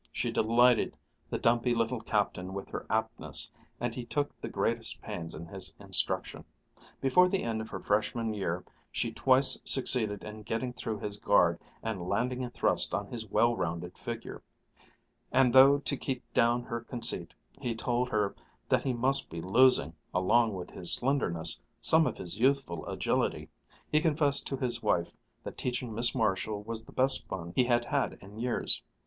She delighted the dumpy little captain with her aptness, and he took the greatest pains in his instruction. Before the end of her Freshman year she twice succeeded in getting through his guard and landing a thrust on his well rounded figure; and though to keep down her conceit he told her that he must be losing, along with his slenderness, some of his youthful agility, he confessed to his wife that teaching Miss Marshall was the best fun he had had in years.